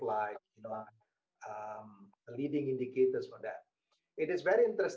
bisa kamu bayangkan apa garis merahnya